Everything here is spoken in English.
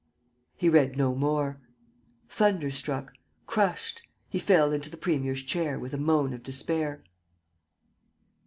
..." He read no more. Thunderstruck, crushed, he fell into the premier's chair with a moan of despair.